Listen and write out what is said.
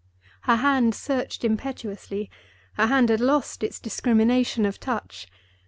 Her hand searched impetuously; her hand had lost its discrimination of touch.